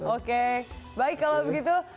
oke baik kalau begitu